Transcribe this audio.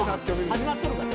始まっとるから。